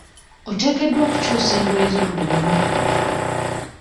Oteekeddwa okukyusa engoye zo buli lunaku.